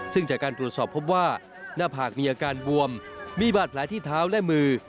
ซึ่งจากการตรวจสอบพบว่าหน้าผากมีอาการบวมมีบาดแผลที่เท้าและมือ